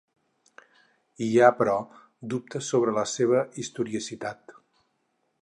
Hi ha, però, dubtes sobre la seva historicitat.